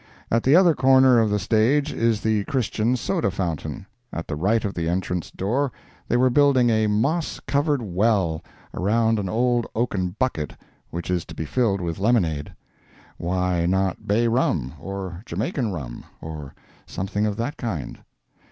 At the other corner of the stage is the Christian soda fountain. At the right of the entrance door they were building a "moss covered well" around an old oaken bucket which is to be filled with lemonade; (why not bay rum, or Jamaica rum, or something of that kind?)